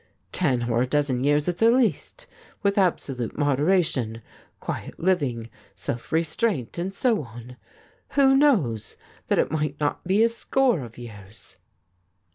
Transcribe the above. Ten or a dozen years at the least ; with absolute moderation, quiet living, self restraint, and so on, who knows that it might not be a score of years